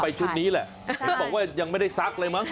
ก็ไปชุดนี้แหละบอกว่ายังไม่ได้ซักอะไรมั้ง